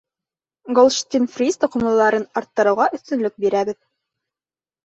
Голштин-фриз тоҡомлоларын арттырыуға өҫтөнлөк бирәбеҙ.